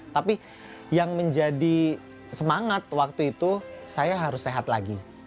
tapi yang menjadi semangat waktu itu saya harus sehat lagi